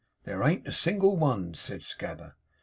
'There ain't a single one,' said Scadder.